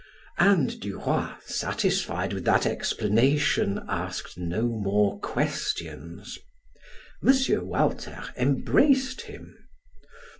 And Duroy, satisfied with that explanation, asked no more questions. M. Walter embraced him.